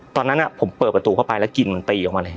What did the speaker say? ตอนนั้นผมเปิดประตูเข้าไปแล้วกลิ่นมันตีออกมาเลย